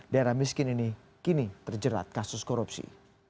daerah miskin ini kini terjerat kasus korupsi